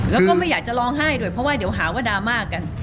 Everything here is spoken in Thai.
แล้วก็ไม่อยากจะร้องไห้ด้วยเพราะว่าเดี๋ยวหาว่าดราม่ากัน